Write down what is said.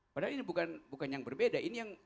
padahal ini bukan yang berbeda